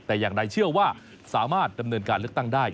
แต่อย่างใดเชื่อว่าสามารถดำเนินการเลือกตั้งได้